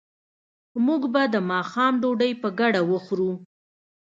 موږ به د ماښام ډوډۍ په ګډه وخورو